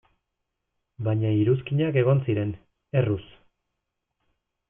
Baina iruzkinak egon ziren, erruz.